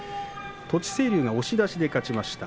栃清龍が押し出しで勝ちました。